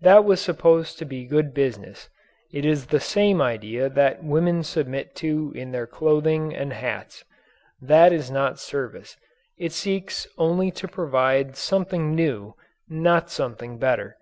That was supposed to be good business. It is the same idea that women submit to in their clothing and hats. That is not service it seeks only to provide something new, not something better.